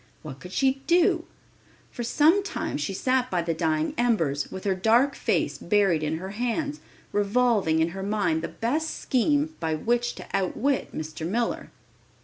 What could she do? For some time she sat by the dying embers, with her dark face buried in her hands, revolving in her mind the best scheme by which to outwit Mr. Miller.